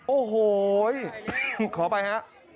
โอ้โหขอไปครับ